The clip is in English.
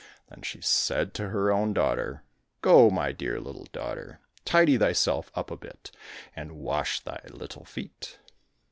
Then she said to her own daughter, " Go, my dear little daughter, tidy thyself up a bit, and wash thy little feet